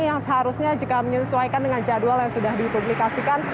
yang seharusnya jika menyesuaikan dengan jadwal yang sudah dipublikasikan